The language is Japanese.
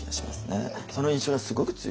その印象がすごく強い。